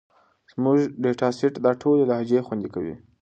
زموږ ډیټا سیټ دا ټولې لهجې خوندي کوي.